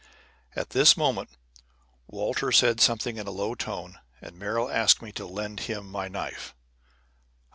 At this moment Walter said something in a low tone, and Merrill asked me to lend him my knife.